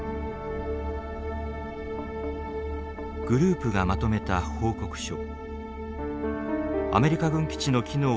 グループがまとめた報告書。